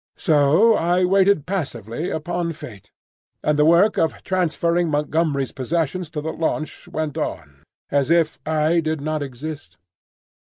So I waited passively upon fate; and the work of transferring Montgomery's possessions to the launch went on as if I did not exist.